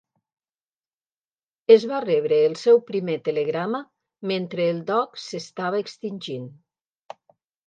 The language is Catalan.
Es va rebre el seu primer telegrama mentre el doc s'estava extingint.